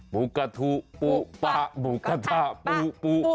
ปุกระทูปุปะปุกระท่าปุปุ